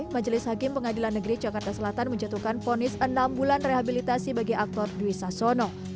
majelis hakim pengadilan negeri jakarta selatan menjatuhkan ponis enam bulan rehabilitasi bagi aktor dwi sasono